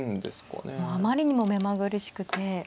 もうあまりにも目まぐるしくて。